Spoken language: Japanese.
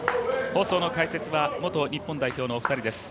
放送の解説は元日本代表のお二人です。